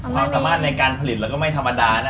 ความสามารถในการผลิตเราก็ไม่ธรรมดานะ